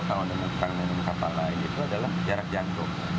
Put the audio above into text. kalau dengan penyelenggara kapal lain itu adalah jarak jangkau